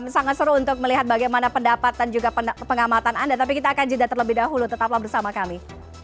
sangat seru untuk melihat bagaimana pendapat dan juga pengamatan anda tapi kita akan jeda terlebih dahulu tetaplah bersama kami